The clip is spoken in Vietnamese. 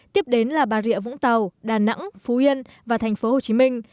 tiếp đến là bà rịa vũng tàu đà nẵng phú yên và thành phố hồ chí minh